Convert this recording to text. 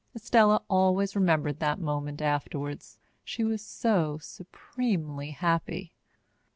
Estella always remembered that moment afterwards. She was so supremely happy.